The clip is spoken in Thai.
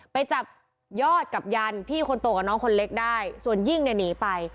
ไปจับยอดกับยันพี่คนโตกับน้องคนเล็กได้ส่วนยิ่งเนี่ยหนีไป